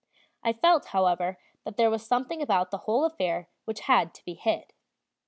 I felt, however, that there was something about the whole affair which had to be hid.